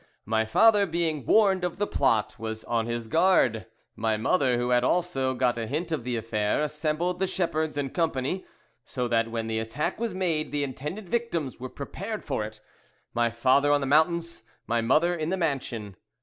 My father, being warned of the plot, was on his guard; my mother, who had also got a hint of the affair, assembled the shepherds, &c., so that when the attack was made the intended victims were prepared for it my father on the mountains, my mother in the mansion.